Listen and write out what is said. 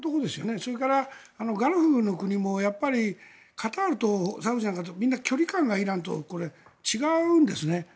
それからやっぱりカタールとサウジなんか距離感がイランと違うんですね。